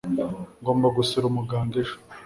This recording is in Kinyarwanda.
Ngomba gusura umuganga ejo.